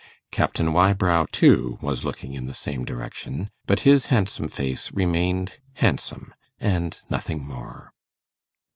Captain Wybrow, too, was looking in the same direction, but his handsome face remained handsome and nothing more.